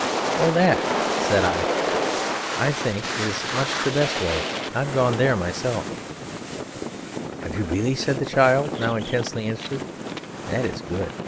"Oh that," said I, "that, I think, is much the best way; I've gone there myself." "Have you really?" said the child, now intensely interested. "That is good!